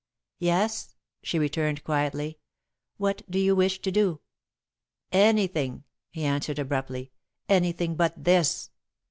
"Yes?" she returned, quietly. "What do you wish to do?" "Anything," he answered, abruptly "anything but this.